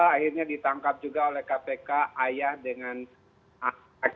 akhirnya ditangkap juga oleh kpk ayah dengan anak